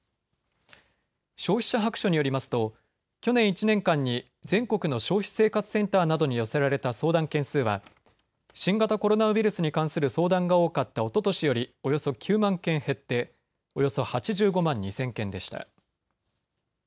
消費者白書によりますと去年１年間に全国の消費生活センターなどに寄せられた相談件数は、新型コロナウイルスに関する相談が多かったおととしよりおよそ９万件減っておよそ８５万２０００件でした。